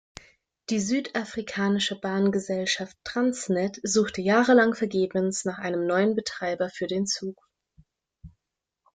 Die südafrikanische Bahngesellschaft Transnet suchte jahrelang vergebens nach einem neuen Betreiber für den Zug.